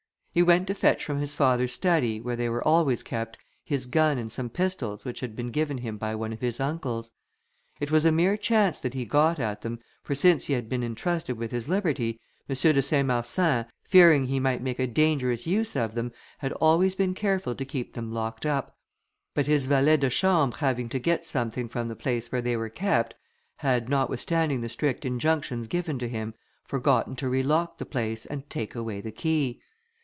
He went to fetch from his father's study, where they were always kept, his gun and some pistols which had been given him by one of his uncles. It was a mere chance that he got at them, for since he had been intrusted with his liberty, M. de Saint Marsin, fearing he might make a dangerous use of them, had always been careful to keep them locked up; but his valet de chambre having to get something from the place where they were kept, had, notwithstanding the strict injunctions given to him, forgotten to relock the place, and take away the key.